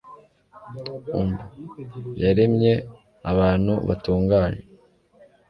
umb yaremye abantu batunganye